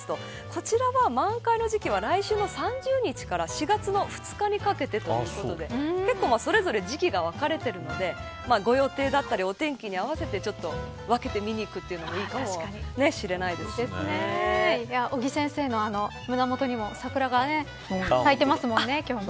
こちらは満開の時期は来週の３０日から４月の２日にかけてということでそれぞれ時期が別れているのでご予定だったりお天気にあわせて分けて見に行くのも尾木先生の胸元にも桜が咲いてますもんね、今日。